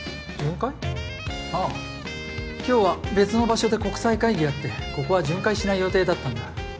ああ今日は別の場所で国際会議があってここは巡回しない予定だったんだ。